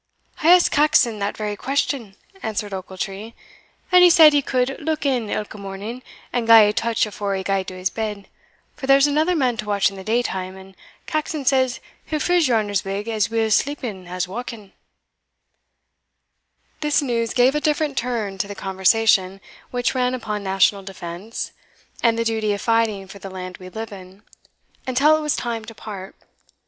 "I asked Caxon that very question," answered Ochiltree, "and he said he could look in ilka morning, and gie't a touch afore he gaed to his bed, for there's another man to watch in the day time, and Caxon says he'll friz your honour's wig as weel sleeping as wauking." This news gave a different turn to the conversation, which ran upon national defence, and the duty of fighting for the land we live in, until it was time to part.